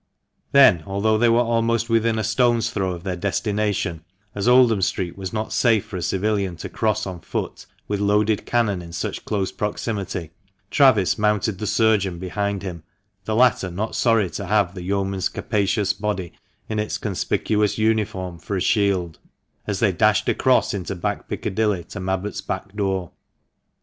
Then, although they were almost within a stone's throw of their des tination— as Oldham Street was not safe for a civilian to cross on foot, with loaded cannon in such close proximity — Travis mounted the surgeon behind him, the latter not sorry to have the yeoman's capacious body in its conspicuous uniform for a shield, as they dashed across into Back Piccadilly to Mabbott's back door.